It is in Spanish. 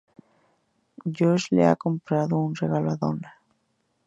Josh le ha comprado un regalo a Donna.